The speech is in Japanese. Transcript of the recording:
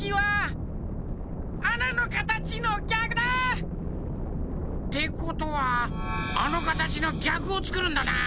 あなのかたちのぎゃくだ！ってことはあのかたちのぎゃくをつくるんだな。